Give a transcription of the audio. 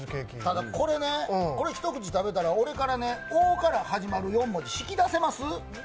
ただこれね、この一口食べたら「お」から始まる一口４文字、引き出せます？